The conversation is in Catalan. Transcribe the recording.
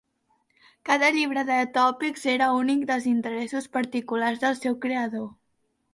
Cada llibre de tòpics era únic dels interessos particulars del seu creador.